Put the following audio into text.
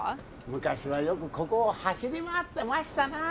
昔はよくここを走り回ってましたな